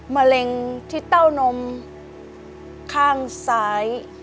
มะเร็งที่เต้านมข้างซ้าย